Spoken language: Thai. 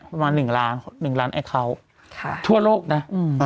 ประมาณหนึ่งล้านหนึ่งล้านไอเคาน์ค่ะทั่วโลกนะอืม